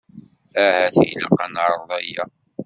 Ahat ilaq ad neεreḍ aya.